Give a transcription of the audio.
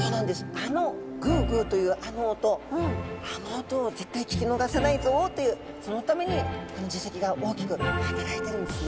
あのグゥグゥというあの音あの音を絶対聞き逃さないぞというそのためにこの耳石が大きく働いているんですね。